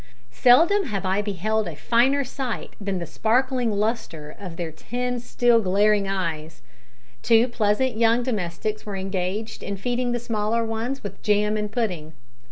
Seldom have I beheld a finer sight than the sparkling lustre of their ten still glaring eyes! Two pleasant young domestics were engaged in feeding the smaller ones with jam and pudding.